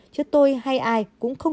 chứ tôi hay ai cũng không